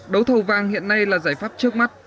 đấu thầu vàng hiện nay là giải pháp trước mắt